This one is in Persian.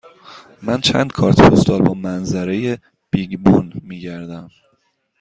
من چند کارت پستال با منظره بیگ بن می گردم.